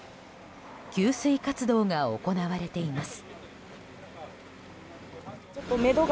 給水活動が行われています。